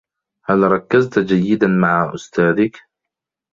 هل ركزت جيدا مع أستاذك ؟